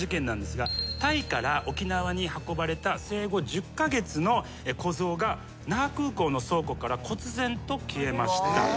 タイから沖縄に運ばれた生後１０カ月の子象が那覇空港の倉庫からこつぜんと消えました。